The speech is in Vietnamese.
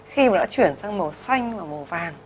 khi mà đã chuyển sang màu xanh và màu vàng